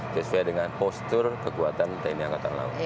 sesuai dengan postur kekuatan tni angkatan laut